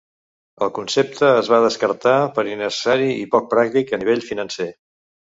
El concepte es va descartar per innecessari i poc pràctic a nivell financer.